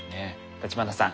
立花さん